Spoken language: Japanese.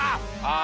あ。